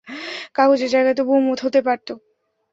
কাগজের জায়গায় তো বোমও হতে পারতো।